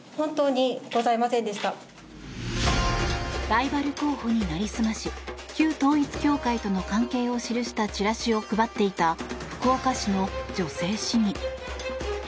ライバル候補になりすまし旧統一教会との関係を記したチラシを配っていた福岡市の女性市議。